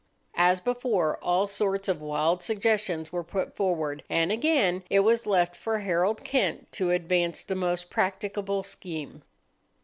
As before, all sorts of wild suggestions were put forward, and again it was left for Harold Kent to advance the most practicable scheme.